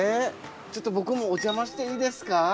ちょっと僕もお邪魔していいですか？